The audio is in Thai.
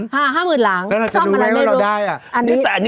แล้วเราจะดูมั้ยเราจะได้อ่ะ